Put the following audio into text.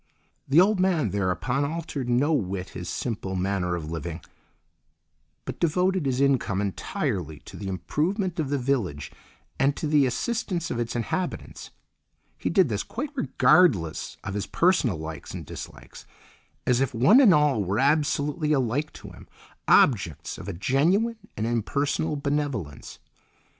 The old man thereupon altered no whit his simple manner of living, but devoted his income entirely to the improvement of the village and to the assistance of its inhabitants; he did this quite regardless of his personal likes and dislikes, as if one and all were absolutely alike to him, objects of a genuine and impersonal benevolence.